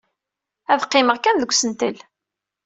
Ad qqimeɣ kan deg usentel.